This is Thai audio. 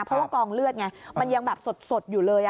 เพราะว่ากองเลือดไงมันยังแบบสดอยู่เลย